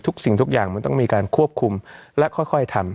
สิ่งทุกอย่างมันต้องมีการควบคุมและค่อยทำ